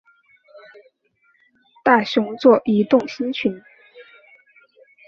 大熊座移动星群